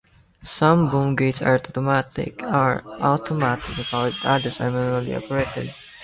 Some boom gates are automatic and powered, others are manually operated.